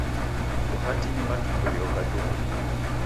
Bhati ni matumbulio gha juhudi.